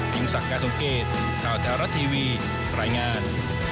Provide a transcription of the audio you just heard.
ถึงสักการสงเกตข่าวแทรวัตท์ทีวีไหล่งาน